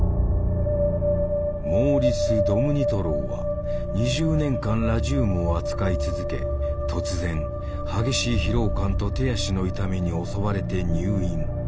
モーリス・ドムニトローは２０年間ラジウムを扱い続け突然激しい疲労感と手足の痛みに襲われて入院。